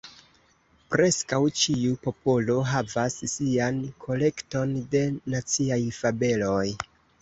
Preskaŭ ĉiu popolo havas sian kolekton de naciaj fabeloj.